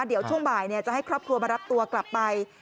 เดี๋ยวช่วงบ่ายจะให้ครอบครัวมารับตัวกลับไป